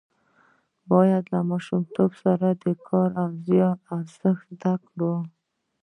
باید له ماشومتوبه د کار او زیار ارزښت زده کړو.